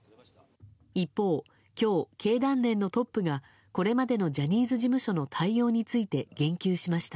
一方、今日、経団連のトップがこれまでのジャニーズ事務所の対応について言及しました。